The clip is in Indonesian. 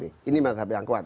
ini mazhab yang kuat